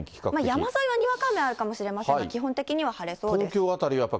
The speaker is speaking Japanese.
山沿いはにわか雨あるかもしれませんが、基本的には晴れそうです。